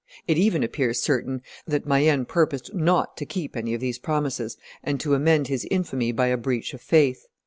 ... It even appears certain that Mayenne purposed not to keep any of these promises, and to emend his infamy by a breach of faith.